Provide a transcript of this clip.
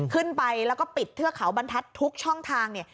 ขึ้นไปแล้วก็ปิดเทือกเขาบรรทัดทุกช่องทาง